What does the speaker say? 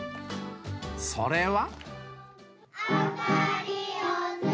それは。